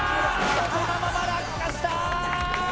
そのまま落下した！